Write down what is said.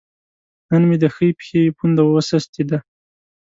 نن مې د ښۍ پښې پونده وسستې ده